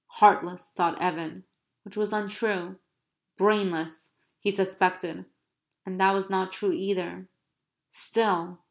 "Heartless!" thought Evan (which was untrue). "Brainless!" he suspected (and that was not true either). "Still...!"